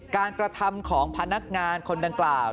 กระทำของพนักงานคนดังกล่าว